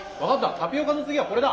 タピオカの次はこれだ！